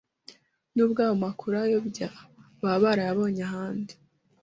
nubwo ayo makuru ayobya baba barayabonye ahandi